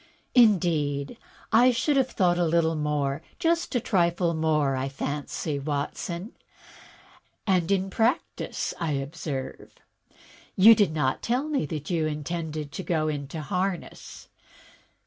"Indeed, I should have thought a little more. Just a trifle more, I fancy, Watson. And in practice again, I observe. You did not tell me that you intended to go into harness.